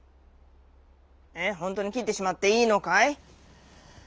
ほんとうにきってしまっていいのかい？」。